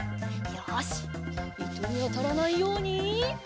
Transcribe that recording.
よしいとにあたらないように。